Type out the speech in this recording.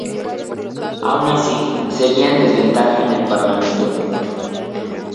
Aun así, seguía en desventaja en el Parlamento.